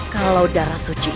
kalau darah suci itu